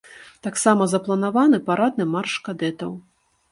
Таксама запланаваны парадны марш кадэтаў.